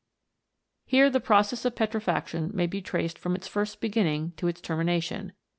Here the process of petrifaction may be traced from its first beginning to its termination.